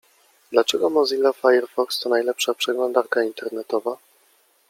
Dlaczego Mozilla Firefox to najlepsza przeglądarka internetowa?